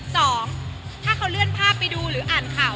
สองถ้าเขาเลื่อนภาพไปดูหรืออ่านข่าว